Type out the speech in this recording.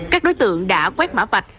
các đối tượng đã quét mã vạch